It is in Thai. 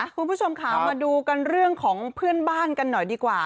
คุณผู้ชมค่ะมาดูกันเรื่องของเพื่อนบ้านกันหน่อยดีกว่า